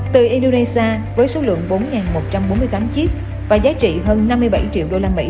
từ indonesia với số lượng bốn một trăm bốn mươi tám chiếc và giá trị hơn năm mươi bảy triệu usd